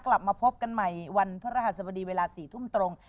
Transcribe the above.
กลับมาพบกันใหม่วันพระรหัสบดีเวลา๔ทุ่มตรง